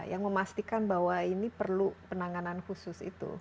yang memastikan bahwa ini perlu penanganan khusus itu